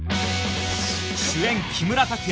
主演木村拓哉